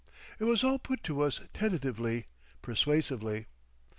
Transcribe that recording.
It was all put to us tentatively, persuasively.